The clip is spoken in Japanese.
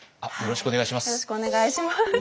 よろしくお願いします。